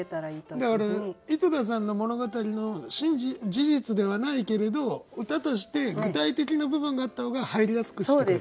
だから井戸田さんの物語の事実ではないけれど歌として具体的な部分があった方が入りやすくしてくれたと。